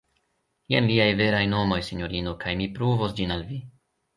jen liaj veraj nomoj, sinjorino, kaj mi pruvos ĝin al vi.